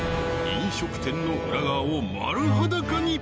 飲食店の裏側を丸裸に！